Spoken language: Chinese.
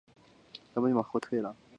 兼工诗文。